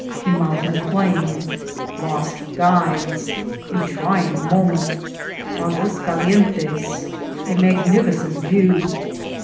— A Mountain Plain. — Lost Guides. — A trying Moment. — Agua Calientes. — A magnificent View.